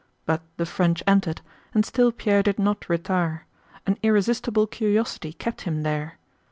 But the French entered and still Pierre did not retire—an irresistible curiosity kept him there.